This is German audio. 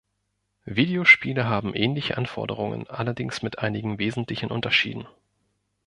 Videospiele haben ähnliche Anforderungen, allerdings mit einigen wesentlichen Unterschieden.